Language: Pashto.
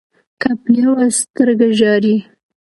که په يوه سترګه ژاړې